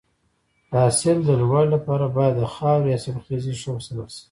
د حاصل د لوړوالي لپاره باید د خاورې حاصلخیزي ښه وساتل شي.